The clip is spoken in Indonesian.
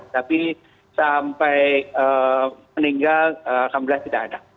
tapi sampai meninggal alhamdulillah tidak ada